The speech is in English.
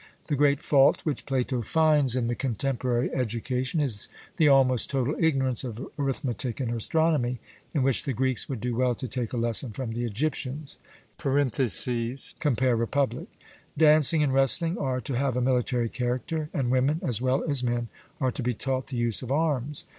The great fault which Plato finds in the contemporary education is the almost total ignorance of arithmetic and astronomy, in which the Greeks would do well to take a lesson from the Egyptians (compare Republic). Dancing and wrestling are to have a military character, and women as well as men are to be taught the use of arms.